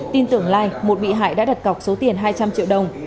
tin tưởng lai một bị hại đã đặt cọc số tiền hai trăm linh triệu đồng